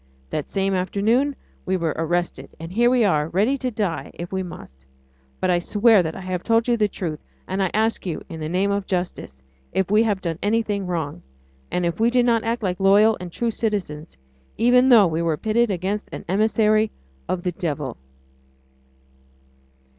That same afternoon we were arrested, and here we are, ready to die if we must, but I swear that I have told you the truth, and I ask you, in the name of justice, if we have done anything wrong, and if we did not act like loyal and true citizens, even though we were pitted against an emissary of the devil?